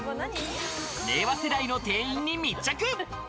令和世代の店員に密着。